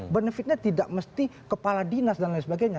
benefitnya tidak mesti kepala dinas dan lain sebagainya